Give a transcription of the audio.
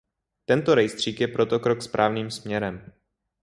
Tento rejstřík je proto krok správným směrem.